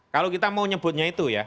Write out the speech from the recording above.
kalau kita mau nyebutnya itu ya